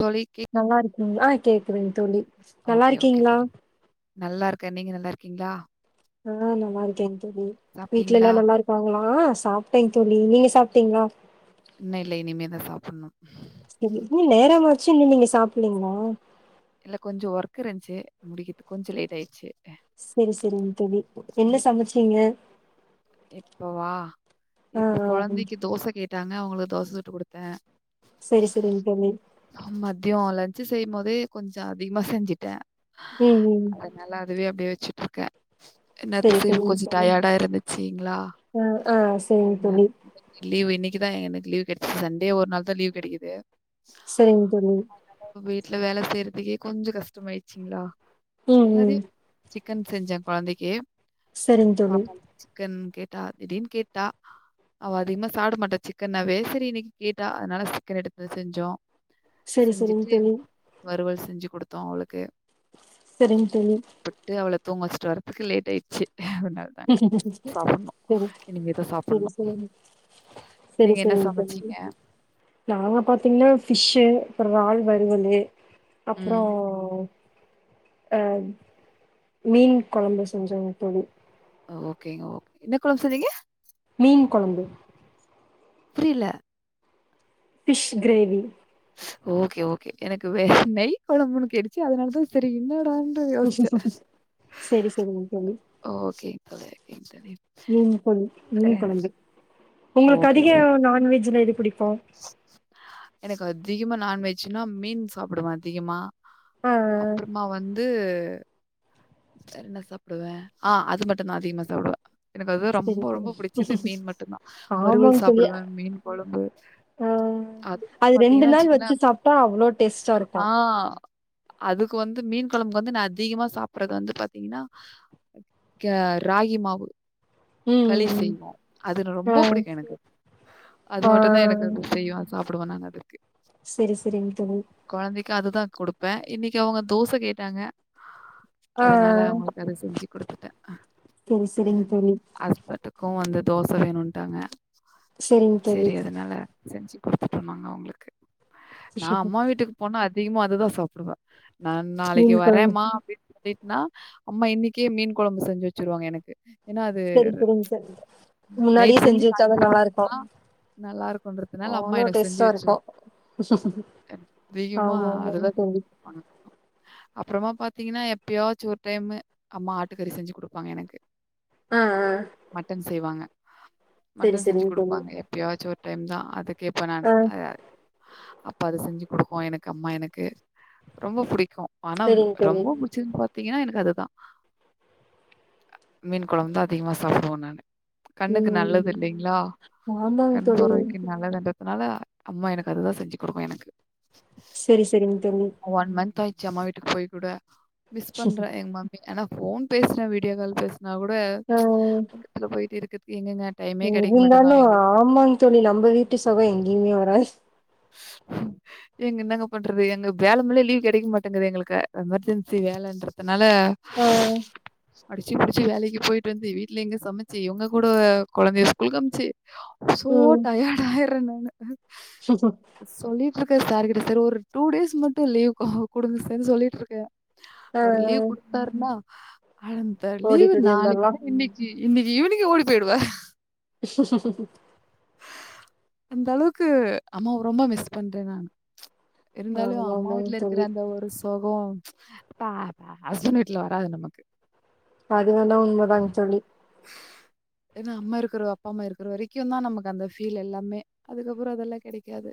தோழிக்கி அ கேக்குதுங் தோழி நல்லா ஓகே ஓகே இருக்கீங்களா தோழி நல்லா இருக்கே நீங்க நல்லா இருக்கீங்களா ஆ நல்லாருக்கே தோழி வீ்ட்ல சாப்ட்டீங்களா எல்லா நல்லாருக் காங்களா ஆ சாப்டேங் தோழி நீங்க சாப்டீங்களா இன்னோ இல்ல இனிமேதா சாப்பிணு சேரி இன்னு நேரமா ஆச்சு இன்னு நீங்க சாப்புலீங்களா இல்ல கொஞ்சோ ஒர்க் இருந்துச்சு முடிக்கிறதுக்கு கொஞ்சோ லேட் ஆயிருச்சு சேரி சேரிங்க தோழி என்ன சமச்சீங்க இப்பவா ஆ இப்ப ஆ ம். கொழந்தைக்கு தோச கேட்டாங்க அவுங்களுக்கு தோச சுட்டு குடுத்தே சேரி சேரி விட்டமீன் மதிய லன்ஸ்சு செய்யு போதே கொஞ்சோ அதிகமா செஞ்சுட்டே ம் ம் அதனால அதுவே அப்டியே வச்சுட்டு இருக்கே என்ன சரி திசு சரிங் கொஞ்ச தோழி டயர்டா இருந்துச் ங்களா ஆ ஆ சரிங் அவுங்க தோழி லீவ் இன்னைக்குதா எனக்கு லீவ் கெடைச்சது சன்டே ஒரு நாள் தா லீவ் கெடைக்குது செரிங் தோழி வீட்ல வேல செய்றதுக்கே கொஞ்சோ கஷ்டமாயிடுச்சுங்களா ம் அதனால ம் அது சிக்கன் செஞ்சே கொழந்தைக்கு சரிங் தோழி பாப்பா சிக்கன் கேட்டா திடீர்னு கேட்டா அவ அதிகமா சாப்ட மாட்டா சிக்கன்னாவே சேரி இன்னைக்கி கேட்டா அதனால சிக்கன் எடுத்து செஞ்சோ சரி சரிங் செஞ்சுட்டு தோழி வறுவல் செஞ்சு குடுத்தோ அவளுக்கு செரிங்க தோழி தொட்டு அவள தூங்க வச்சுட்டு வரதுக்கு லேட் ஆயிருச்சு அதனால தாங்க. சாப்பிடணும். சேரி இனிமே தான் சேரி சாப்பிடணும். சேரி செரி நீங்க என்ன செரிங்க தோழி சமைச்சீங்க? நாங்க பாத்தீங்கன்னா ஃபிஷ்ஷு அப்பறோ இரால் வறுவலு அப்பறோ ம். அ மீன் கொழம்பு செஞ்சோங்க தோழி ஓகேங்க ஓகே என்ன குழம்பு சொன்னீங்க மீன் கொழம்பு புரில ஃபிஷ் கிரேவி ஓகே ஓகே எனக்கு வேறே நெய் கொழம்புன்னு கேட்டுச்சு அதனாலதா சேரி என்னடானு சேரி சேரிங்க தோழி ஓகே ஓகேனு சொல்லிரு மீன் கொழு மீன் கொழம்பு உங்களுக்கு ஓகே, அதிக ஓகே. நான்வெஜ்ல எது பிடிக்கு எனக்கு அதிகமா நான்வெஜ்னா மீன் சாப்டுவே அதிகமா ஆ ஆ அப்பறமா வந்து ஆ அது மட்டுதா அதிகமா சாப்புடுவே எனக்கு அது சரி ரொம்ப சரி. ரொம்ப பிடிச்சது மீன் மட்டுதா வறுவல் ஆமாங்க தோழி. சாப்பிடுவே மீன் குழம்பு ஆ அதுவும் அது ரெண்டு பார்த்தீங்கன்னா நாள் வச்சு வச்சுக்கங்களேன் சாப்ட்டா அவ்ளோ டேஸ்டா இருக்கு ஆ அதுக்கு வந்து மீன் கொழம்புக் வந்து நா அதிகமா சாப் படறது வந்து பாத்தீங்கனா கே ராகி மாவு களி ம். செய்வோ அது ஆ ரொம்போ புடிக்கு எனக்கு அது ஆ மட்டுதா எனக்கு அது செய்யு அது சாப்பிடுவே நா அதுக்கு சேரி சேரிங்க தோழி கொழந்தைக்கு அதுதா குடுப்பே இன்னைக்கு அவங்க தோச கேட்டாங்க ஆ அதனால அவங்களுக்கு அத செஞ்சு கொடுத்துட்டே சரி சரிங்க தோழி. ஹஸ்பன்டுக் கு வந்து தோச வேணுட்டாங்க சரிங்க தோழி. சேரி அதனாலே செஞ்சு கொடுத்துட்டு வந்தேங்க அவங்ளுக்கு நா அம்மா வீட்டுக்கு போனா அதிகமா அதுதா சாப்புடுவே நா நாளைக்கு மீன் கொழம்பு வரேம்மா அப்டின்னு சொல்லிட்னா அம்மா இன்னைக்கே மீன் குழம்பு செஞ்சு வச்சிருவாங்க எனக்கு ஏன்னா அது சரி சரிங்க ப்ச் தோழி முன்னாடியே நைட்டு் செஞ்சு வச்சாதா காலைல நல்லா இருக்கு சாப்டம்னா நல்லா இருக்கும்ன்றதுனால அம்மா அவ்ளோ எனக் செஞ்சு டேஸ்ட்டா இருக்கு வெச்சிரோ அதிகமா ஆமா ஆமாங்க அதுதா தோழி [unintelligible] அப்புறமா பாத்தீங்கனா எப்பயாச்சு ஒரு டைமு அம்மா ஆட்டுக்கறி செஞ்சு குடுப்பாங்க எனக்கு அ அ மட்டன் செய்வாங்க மட்டன் செஞ்சு சரிங்க தோழி குடுப்பாங்க எப்பயாச்சு ஒரு டைம் தா அதுக் கேட்பேன் நானு ஆ [unintelligible] அப்ப அது செஞ்சு கொடுக்கு எனக்கு அம்மா எனக்கு ரொம்ப புடிக்கு ஆனா சரிங்க தோழி ரொம்ப புடி ச்சது பாத்தீங்கனா எனக்கு அதுதா மீன் குழம்பு தா அதிகமா சாப்புடுவே நானு கண்ணுக்கு நல்லது ம் இல்லீங்களா ஆமாங்க கண் தோழி பார்வைக்கு நல்லதுன்றது அதனால அம்மா எனக்கு அதுதா செஞ்சு கொடுக்கு எனக்கு செரி செரிங்க தோழி ஒன் மந்த் ஆயிச்சு அம்மா வீட்டுக்கு போய் கூட மிஸ் பண்றே எங்க மம் மி ஆனா போன் பேசுற வீடியோ கால் பேசுனா கூட ஆ பக்கத்துல போயிட்டு இருக்கதுக்கு எங்கங்க டைமே கிடைக்கும் மட்டுதா இருந்தாலு எங்ளுக் ஆமாங்க தோழி நம்ம வீட்டு சுக எங்கேயுமே வராது அ ஏங்க என்னங்க பண்றது எங்க வேல மேல லீவ் கிடைக்க மாட்டேங்குது எங்ளுக்கு எமர்ஜென்சி வேலைன்றதுனால ம் அடிச்சு புடிச்சு வேலைக்கு போயிட்டு வந்து வீட்ல இங்க சமைச்சு இவங்க கூட கொழந்தைய ஸ்கூல் அனுப்ச்சு சோ டயர்ட் ஆயர்றேன் நானு ம் ம் சொல்லிட்டு இருக்க சார்கிட்ட சார் ஒரு டூ டேஸ் மட்டு லீவ் குடுங்க சார்ன்னு சொல்லிட்டு இருக்கே ஆ அவர் லீவ் குடுத்தாருனா அந்த லீவ் ஓடிட்டு ஓடியாந்தரலா நாளைக்னா இன்னைக் இ இன்னைக்கு ஈவினிங்கே ஓடி போயிடுவே அஅஅஅ அந்த அளவுக்கு அம்மாவ ரொம்ப மிஸ் பண்றே நா ப்ச் இருந்தாலு ஆமா அம்மா ஆமாங்க வீட்ல இருக்கிற தோழி அந்த ஒரு சு கோ பா பா ஹஸ்பன்ட் வீட்ல வராது நமக்கு அது வேணா உண்மதாங்க தோழி ஏன்னா அம்மா இருக்குற அப்பா அம்மா இருக்குற வரைக்கியு தா நமக்கு அந்த ஃபீல் எல்லாமே அதுக்கப்புறே அதெல்லா கெடைக்காது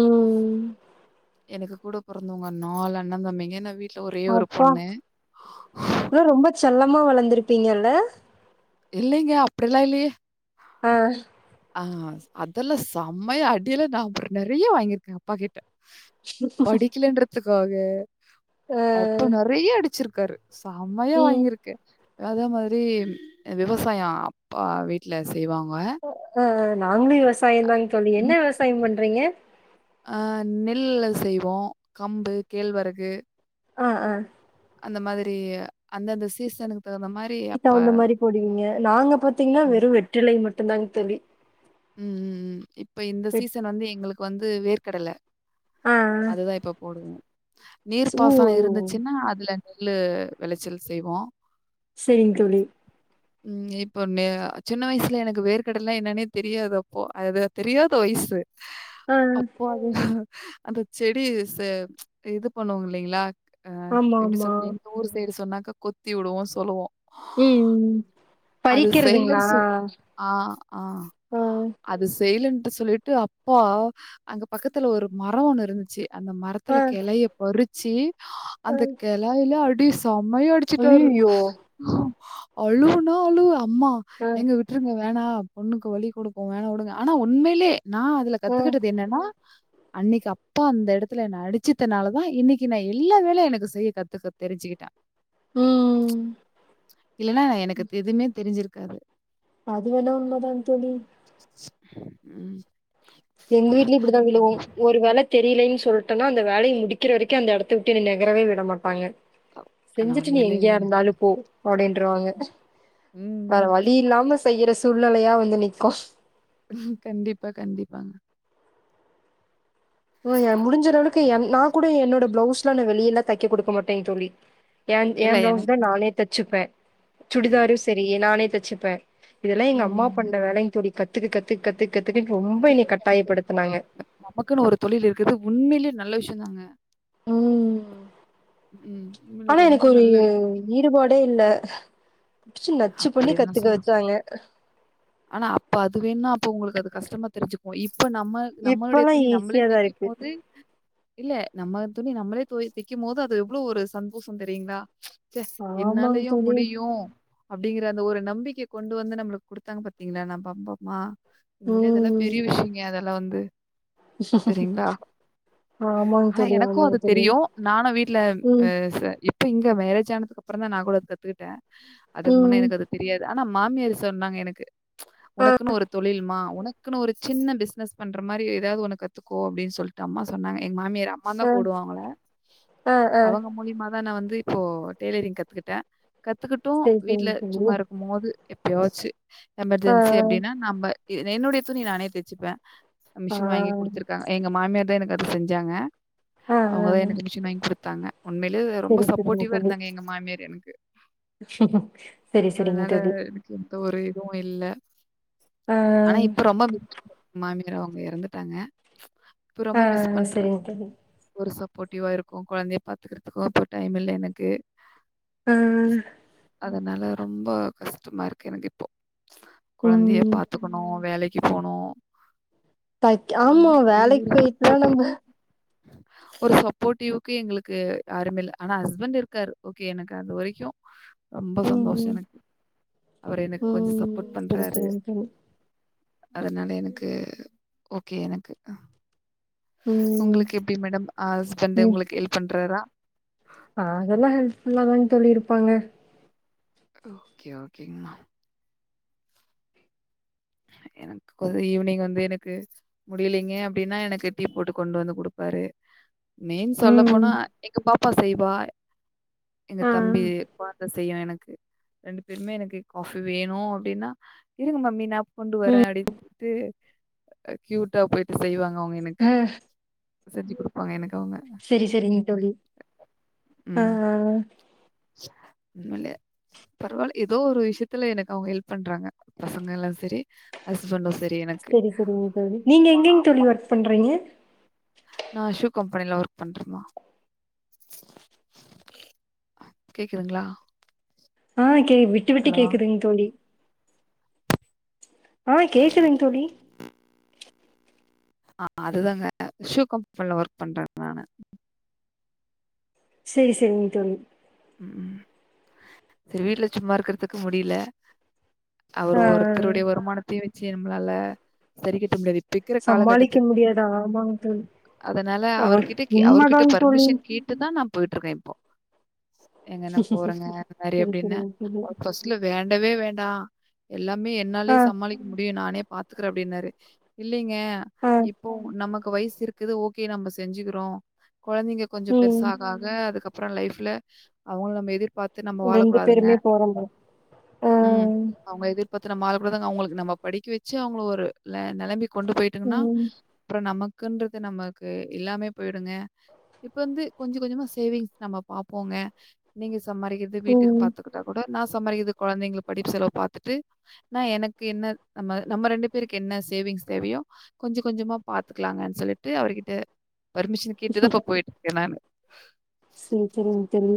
ம் ம் எனக்கு கூட பொறந்தவங்க நாலு அண்ணா தம்பிங்க நா வீட்ல ஒரே ஒரு அப்பா பொண்ணு ஆனா ரொம்ப செல்லமா வளந்திருப்பீங்கல்ல இல்லைங்க அப்படில்லா இல்லயே அ அ அதெல்லா செம்மையா அடியிலா நா அப்புற நறைய வாங்கிருக்கே அப்பா கிட்ட படிக்கலன்றதுக்காக அப்ப நறைய அடிச்சிருக்காரு சம்மையா ம் வாங்கிருக் கே அதே மாதிரி விவசாயோ அப்பா வீட்ல செய்வாங்க அ அ நாங்களு விவசாயோ தா தோழி என்ன விவசாயோ பண்றீங்க அஆ நெல்ல செய்வோம் கம்பு கேழ்வரகு அ அ அந்த மாதிரி அந்தந்த சீசனுக்கு தகுந்த மாரி அப்ப தகுந்த மாதிரி போடுவீங்க நாங்க பாத்தீங்ன்னா ஆமா. வெறும் வெற்றிலை மட்டுந்தாங் தோழி ம் ம் ம் இப்ப இந்த வெட் சீசன் வந்து எங்களுக்கு வந்து வேர்க்கடல ஆ ஆ அதுதா இப்ப போடுவோ நீர்பசன ஓ இருந்துச்சுன்னா அதுல நெகுலு வெளைச்சல் செய்வோ சேரிங் தோழி ம் இப்போ நே சின்ன வைசுல எனக்கு வேர்கடல என்னன்னே தெரியாதப்போ அதுதா தெரியாத வயசு ஆ அப்போ அது அந்த செடி சே அ இது பண்ணுவோல்லைங்களா அ ஆமா எப்பிடி ஆமா சொல் எங்க ஊர் சைடு சொன்னாக்க கொத்தி விடுவோ சொல்லுவோ ம் பறிக்கறதுங்களா சொல் ஆ, ஆ. அ அது செய்லன்ட்டு சொல்லிட்டு அப்பா அங்க பக்கத்துல ஒரு மரோ ஒன்னு இருந்துச்சு அந்த மரத்துல ஆ கெளைய பறிச்சு ஆ. அந்த கெளூயில அடி சமையாடி அடிச்சுட்டாரு அய்யய்யோ அழுவுனா அழுவ அம்மா ஆ எங்க விட் விட்ருங்க வேணா பொண்ணுக்கு வலி குடுக்கு வேணா உடுங்க ஆனா உண்மையிலே நா அதுல ஆ கத்துகிட்டது என்னன்னா அன்னைக்கி அப்பா அந்த எடத்துல என்ன அடுச்சிட்னால தா இன்னைக்கி நா எல்லா வேலையு எனக்கு செய்ய கத்துக்க தெரிஞ்சுக்கிட்ட ம் இல்லன்னா எனக்கு எதுவுமே தெரிஞ்சிருக்காது அது வேணா உண்மதா தோழி [inaudible] ம் எங்க வீட்டிலியு இப்பிடிதா விழுகு ஒரு வேல தெரியேலின்னு சொல்டன்னா அந்த வேலைய முடிக்கிற வரைக்கு அந்த எடத்து விட்டு என்ன நகரவே விட மாட்டாங்க ஆனா செஞ்சுட்டு நீ உண்மையிலே எங்கேயா இருந்தாலு போ அப்டின்றுவாங்க ம் வேற வழி இல்லாம செய்யற சூழ்நெலையா வந்து நிக்கு ம் கண்டிப்பா கண்டிப்பா ஓ ஏ முடிஞ்சலவளுக்கு எ நா கூட என்னோட ப்ளவுஸ்லா நா வெளிய எல்லா தைக்க குடுக்க மாட்டே தோழி ஏ ஏ இல்ல பிளவுஸ் தா எனக்கு நானே தச்சுப்பே ம். சுடிதாரு செரி நானே தெச்சுப்பே இதெல்லா எங்க அம்மா ம். பண்ற வேலைங் தோழி கத்துக்க கத்து கத்து கத்துக்கன்னு ரொம்ப என்னைய கட்டாயப்படுத்துனாங்க நமக்குன்னு ஒரு தொழில் இருக்குறது உண்மையிலியே நல்ல விஷியோதாங்க ம் ம் உங்ளுக் ஆனா ரொம்ப எனக்கு ஒரு நல்ல வி ஈடுபாடே இல்ல புடுச்சு நச்சு பண்ணி அப்படிலாம் கத்துக்க சொல்லலாம். வச்சாங்க ஆனா அப்ப அது வேண்னா அப்போ உங்களுக்கு அது கஷ்டமா தெரிஞ்சுப்போ இப்ப நம்ம நம்மளுடைய இப்பல்லா துணி நம்பளே ஈஸியாதா தைக்கும் இருக்கு போது இல்ல நம்ம துணி நம்மளே போய் தைக்கும் போது அது எவ்ளோ ஒரு சந்தோஷோ தெரியுங்ளா ச்ச ஆமாங் என்னாலயு தோழி முடியு அப்டிங்கற அந்த ஒரு நம்பிக்கைய கொண்டு வந்து நம்முளுக்கு குடுத்தாங்க பாத்தி தீங்களா நம்ப ப்பம்மா உணமையிலே இதெல்லா ம் பெரிய விஷியங்க அதெல்லா வந்து சரிங்களா? ஆமாங் ஆனா தோழி எனக்கூ ஆமாங் அது தோழி தெரியு நானு வீட்ல ஆ ம் ச இப் இப்ப இங்க மேரேஜ் ஆனதுக்கு அப்பறொந்தா நா கூட அது கத்துக்கிட்ட அதுக்கு முன்னா ம் எனக்கு அது தெரியாது ஆனா மாமியாரு சொன்னாங்க எனக்கு உனக்குன்னு ஒரு தொழில்மா உனக் உனக்குன்னு ஒரு சின்ன பிஸ்னஸ் பண்ற மாறி ஏதயாது ஒன்னு கத்துக்கோ அப்டின்னு சொல்ட்டு அம்மா சொன்னா எங்க மாமியாரு அம்மான்தா அ கூப்டுவ அவுங்கல அ அ அவங்க மூலியமா தா நா வந்து இப்போ டெய்லரிங் கத்துக்கிட்ட கத்துக்கிட்டூ சரி சரிங்க வீட்ல தோழி சும்மா இருக்கும் போது எப்பயாச்சு ஆ எமர்ஜென்சி அப்டின்னா நம்ம எ என்னுடைய துணி நானே தெச்சுப்பே ஆ மிஷின் வாங்கி குடுத்திருக்காங்க எங்க மாமியார் தா எனக்கு அது செஞ்சாங்க ஆ அவுங்கதா ஆ எனக்கு மிஷின் வாங்கி குடுத்தாங்க உண்மையிலே ரொம்ப சரி சரிங்க சப்போடிவா இருந்தாங்க எங்க மாமியாரு எனக்கு செரி செரிங்க அதனால தோழி எனக்கு எந்த ஒரு இதுவு இல்ல ஆ ஆனா இப்ப ரொம்ப மாமியாரு அவுங்க எறந்துட்டாங்க ஆ செரிங்க தோழி ஒரு சப்போடிவா இருக்கூ கொழந்தைய பாத்துக்கறதுக்கூ அப்போ டைம் இல்ல எனக்கு ஆ அதனால ரொம்ப கஷ்டமா இருக்கு எனக்கு இப்போ கொழந்தைய ம் பாத்துக்கணு வேலைக்கி போணு தைக் ஆமா வேலைக் பேய்ட்லா நம்ம ஒரு சப்போடிவ்க்கு எங்களுக்கு யாருமே இல்ல ஆனா ஹஸ்பண்ட் இருக்காரு ஓகே எனக்கு அது வரைக்கூ ரொம்ப ம் சந்தோஷொ ம் எனக்கு அவரு எனக்கு கொஞ்ச ம் சப்போட் சரி பண்றாரு சரிங்க தோழி அதனால எனக்கு ஓகே எனக்கு ம் ஒங்களுக்கு எப்டி மேடம் ஹஸ்பண்ட் ம் உங்களுக்கு ஹெல்ப் பண்றாரா அதெல்லா ஹெல்ப்ஃபுல்லா தாங் தோழி இருப்பாங்க ஓகே ஓகேங்மா எனக்கு கொஞ்சோ ஈவ்னிங் வந்து எனக்கு முடியலீங்க அப்டின்னா எனக்கு டீ போட்டு கொண்டு வந்து குடுப்பாரு மெயின் சொல்ல ம் போனா எங்க பாப்பா செய்வா எங்க ஆ தம்பி கொழந்த செய்யு எனக்கு ரெண்டு பேருமே எனக்கு காஃபி வேணு அப்டின்னா இருங்க மம்மி நா கொண்டு வரேன் ம் அப்டி டு கியூட்டா போயிட்டு செய்வாங்க அவுங்க எனக்கு ஆ செஞ்சு குடுப்பாங்க எனக்கு அவுங்க செரி செரிங் தோழி ஆ ம் [unintelligible] பரவால்ல எதோ ஒரு விஷயத்துல எனக்கு அவுங்க ஹெல்ப் பண்றாங்க பசங்க எல்லா செரி ஹஸ்பண்டூ சரி எனக்கு செரி செரிங்க தோழி நீங்க அம்மா எங்கெங்க தோழி ஒர்க் பண்றீங்க நா ஷூ கம்பெனில ஒர்க் பண்றமா கேக்குதுங்ளா ஆ கே விட்டு விட்டு கேக்குதுங் தோழி ஆ கேக்குதுங்க தோழி ஆ அதுதாங்க ஷூ கம்பெனில ஒர்க் பண்ற நானு செரி செரிங்க தோழி ம் செரி வீட்ல சும்மா இருக்கிறதுக்கு முடில அவர் ஆ ஒருத்தருடைய வருமானத்தையு வச்சு நம்மளால சரிக்கட்ட முடியாது இருக்கிற சமாளிக்க காலகட்டத்து முடியாதா ஆமாங்க தோழி அதனால ஆ அவர்கிட்ட அவர்கிட்ட உண்மதாங்க தோழி பர்மிஷன் கே டுதா நா போயிட்டு இருக்க இப்போ ஏங்க நா போறங்க இந்த மாரி செரி அப்டின்னு செரிங்க தோழி ஃபர்ஸ் இல்ல வேண்டவே வேண்டா எல்லாமே ஆ என்னாலயே சமாளிக்க முடியு நானே பாத்துக்கிற அப்டின்னாரு இல்லைங்க ஆ இப்போ நமக்கு வயசு இருக்குது ஓகே நம்ம செஞ்சுக்கிறோ கொழந்தைங்க கொஞ்சோ ம் பெருசாக ஆகா அதுக்கப்ற லைஃப்ல அவங்கள நம்ம எதிர்பாத் து நம்ம ரெண்டு வாழக்கூடாதுங்க பேருமே போற மாரி ஆ ம் அவங்க எதிர் பாத்து நம்ம ஆள கூடாதுங்க அவங்களுக்கு நம்ம படிக்க வச்சு அவங்கள ஒரு நெலைமைக் கொண்டு போயிட்டங்கன்னா ம் அப்ற நமக் இருக்குன்றது நமக்கு எல்லாமே போயிடுங்க இப்ப வந்து கொஞ்சோ கொஞ்சோமா சேவிங்ஸ் நம்மோ பாப் போங்க நீங்க சம்பாதிக்கிறது வீட்டுக்கு ம் பாத்துக்கிட்டா கூட நான் சம்பாரிக்கறத கொழந்தைங்க படிப்பு செலவு பாத்துட்டு நான் எனக்கு என்ன நம்ம நம்ம ரெண்டு பேருக்கு என்ன சேவிங்ஸ் தேவையோ கொஞ்சோ கொஞ்சோ மா பாத்துக்கலாங்கன் சொல்லிட்டு அவர்கிட்ட பெர்மிஷன் கேட்டுதான் இப்ப போயிட்டு இருக்கே நானு செரி செரிங்க தோழி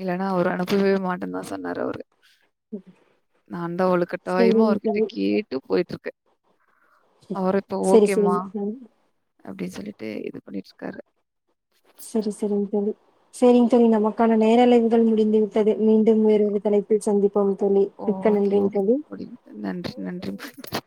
இல்லனா அவரு அனுப்பவே மாட்டேன்தா சொன்னாரு அவரு நா தா வலு கட்டாயமா செரிங்க அவர்கிட்ட தோழி கேட்டு போயிட்டு இருக்க அவரு இப்ப செரி ஓகேமா செரிங்க தோழி அப்டின் சொல்லிட்டு இது பண்ணிட்டு இருக்காரு செரி செரிங்க் தோழி செரிங்க் தோழி நமக்கான நேரளைவுகள் முடிந்து சரி மீண்டும் வேறொரு ஓகே தலைப்பில் சந்திப்போம் தோழி மிக்க ஓகே நன்றிங் ஓகே தோழி நன்றி நன்றி நன்றி